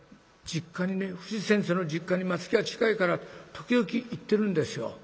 実家にね藤先生の実家に松木が近いから時々行ってるんですよ